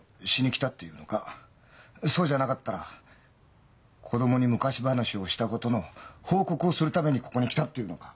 そうじゃなかったら子供に昔話をしたことの報告をするためにここに来たっていうのか？